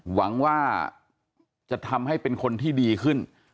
หวังว่าจะทำให้เป็นคนที่ดีขึ้น